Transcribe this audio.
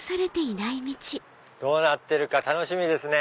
どうなってるか楽しみですね。